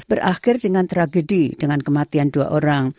berakhir dengan tragedi dengan kematian dua orang